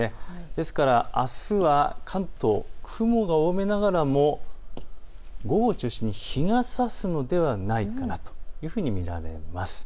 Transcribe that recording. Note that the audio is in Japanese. なのであすは関東、雲が多めながらも午後を中心に日がさすのではないかなと見られます。